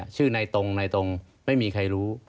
ชื่อในตรงในตรงไม่มีใครรู้